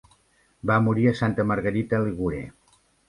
Va morir a Santa Margherita Ligure.